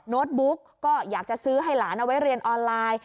โน้ตบุ๊กก็อยากจะซื้อให้หลานเอาไว้เรียนออนไลน์